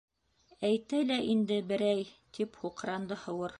—Әйтә лә инде —«берәй»! —тип һуҡранды Һыуыр.